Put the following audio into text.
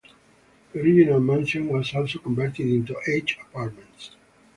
The original mansion was also converted into eight apartments.